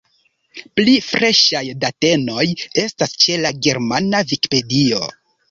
Pli freŝaj datenoj estas ĉe la Germana Vikipedio!